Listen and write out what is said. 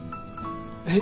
えっ？